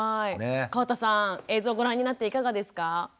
川田さん映像をご覧になっていかがですか？